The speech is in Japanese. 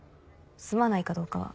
すまないかどうかは。